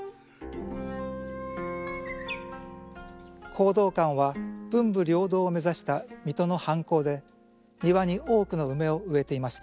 弘道館は文武両道を目指した水戸の藩校で庭に多くの梅を植えていました。